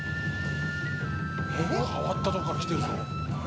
変わったところからきてるぞ。